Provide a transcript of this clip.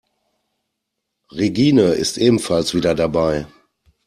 Regine ist ebenfalls wieder dabei.